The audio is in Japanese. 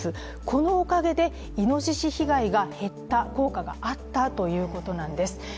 このおかげで、いのしし被害が減った効果があったということなんです。